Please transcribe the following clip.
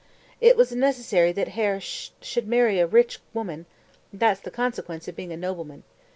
It was necessary that Herr Sch. should marry a rich woman; that's the consequence of being a nobleman.